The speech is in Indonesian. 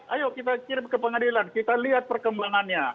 ayo kita kirim ke pengadilan kita lihat perkembangannya